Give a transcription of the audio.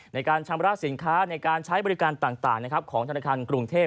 ในการชำระสินค้าในการใช้บริการต่างของธนาคารกรุงเทพ